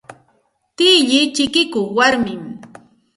Tilli chikikuq warmimi.